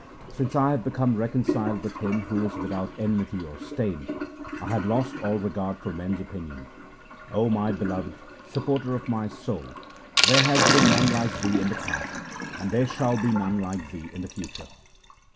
Since I have become reconciled with Him who is without enmity or stain, I have lost all regard for men's opinion. 0 my Beloved, Support of my soul, there has been none like Thee in the past, and there shall be none like Thee in the future.